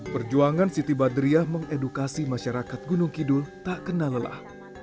perjuangan siti badriah mengedukasi masyarakat gunung kidul tak kena lelah